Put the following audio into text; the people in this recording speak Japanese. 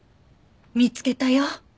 「見つけたよ